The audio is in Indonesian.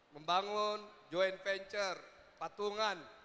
membangun joint venture patungan